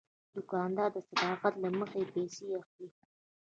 دوکاندار د صداقت له مخې پیسې اخلي.